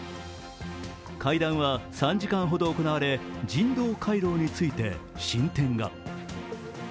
会談は３時間ほど行われ人道回廊について進展が。